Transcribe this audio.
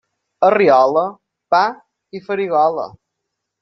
A Riola, pa i farigola.